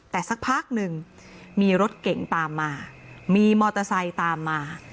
แต่สักพักหนึ่งมีรถเก่งตามมามีมอเตอร์ไซค์ตามมา